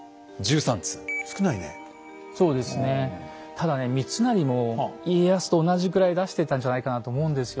ただね三成も家康と同じぐらい出してたんじゃないかなと思うんですよ。